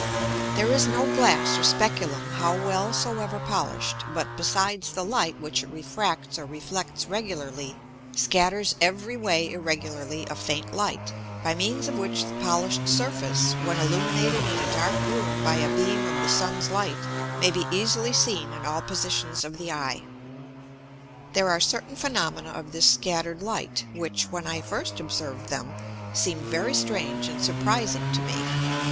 _ There is no Glass or Speculum how well soever polished, but, besides the Light which it refracts or reflects regularly, scatters every way irregularly a faint Light, by means of which the polish'd Surface, when illuminated in a dark room by a beam of the Sun's Light, may be easily seen in all positions of the Eye. There are certain Phænomena of this scatter'd Light, which when I first observed them, seem'd very strange and surprizing to me.